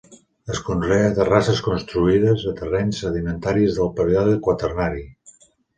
Es conrea a terrasses construïdes a terrenys sedimentaris del Període Quaternari.